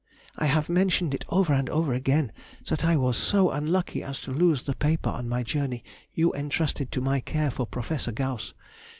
I have mentioned it over and over again that I was so unlucky as to lose the paper on my journey you entrusted to my care for Prof. Gauss.